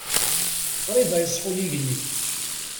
Qrib ad yeṣfu yigenni.